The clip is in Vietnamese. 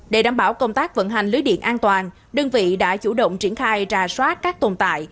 để đảm bảo công tác vận hành lưới điện an toàn đơn vị đã chủ động triển khai trà soát các tồn tại